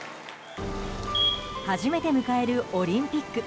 初めて迎えるオリンピック。